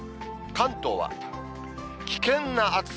関東は危険な暑さ。